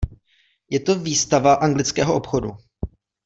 Je to výstava anglického obchodu.